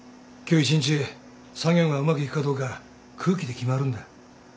今日１日作業がうまくいくかどうか空気で決まるんだ。